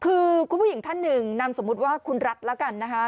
คือคุณผู้หญิงท่านหนึ่งนามสมมุติว่าคุณรัฐแล้วกันนะคะ